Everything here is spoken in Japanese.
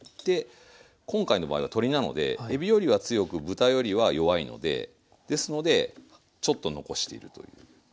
今回の場合は鶏なのでえびよりは強く豚よりは弱いのでですのでちょっと残しているというあんばいですね。